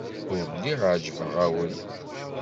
Ur lliɣ ɛejbeɣ-awen.